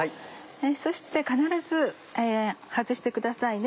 そして必ず外してくださいね。